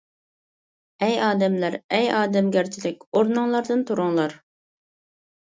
ئەي ئادەملەر، ئەي ئادەمگەرچىلىك، ئورنۇڭلاردىن تۇرۇڭلار!